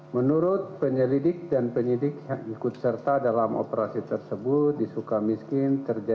menurut penyelidik dan penyidik yang ikut serta dalam operasi tersebut kita akan mencari penyelidik yang ikut serta